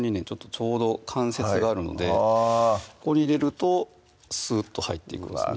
ちょうど関節があるのでここに入れるとスーッと入っていくんですね